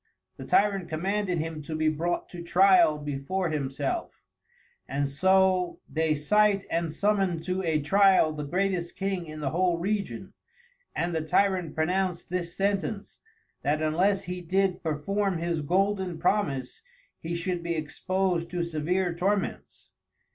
The Tyrant commanded himto be brought to Tryal before himself, and so they cite and summon to a Tryal the greatest King in the whole Region; and the Tyrant pronounced this Sentence, that unless he did perform his Golden Promise he should be exposed to severe Torments.